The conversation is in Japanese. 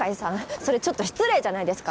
それちょっと失礼じゃないですか？